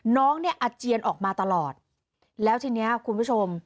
น้องเนี่ยอาเจียนออกมาตลอดแล้วทีนี้คุณผู้ชม